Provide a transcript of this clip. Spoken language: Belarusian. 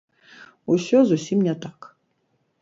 Усё зусім не так.